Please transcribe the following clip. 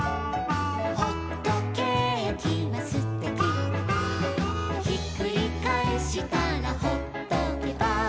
「ほっとけーきはすてき」「ひっくりかえしたらほっとけば」